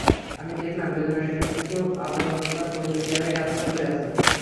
আমি দেখলাম, বেদনার একটি সুক্ষ্ম আবরণ তাঁর পবিত্র চেহারাকে আচ্ছন্ন করে আছে।